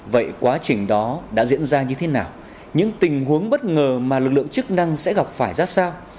vậy quá trình đó đã diễn ra như thế nào những tình huống bất ngờ mà lực lượng chức năng sẽ gặp phải ra sao